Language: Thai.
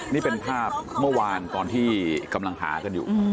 นี่เป็นภาพเมื่อวานตอนที่กำลังหากันอยู่